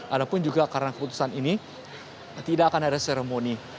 ada pun juga karena keputusan ini tidak akan ada seremoni